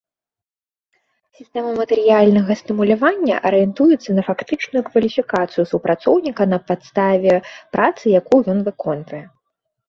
Сістэма матэрыяльнага стымулявання арыентуецца на фактычную кваліфікацыю супрацоўніка на падставе працы, якую ён выконвае.